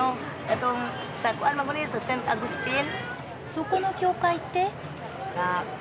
そこの教会って？